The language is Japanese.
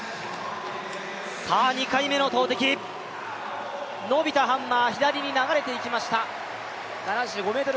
２回目の投てき、伸びたハンマーは左に流れていきました。